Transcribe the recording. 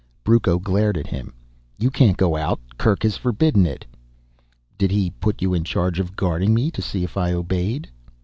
Brucco glared at him. "You can't go out, Kerk has forbidden it." "Did he put you in charge of guarding me to see if I obeyed?"